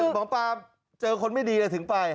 หมอปลาเจอคนไม่ดีแล้วถึงไป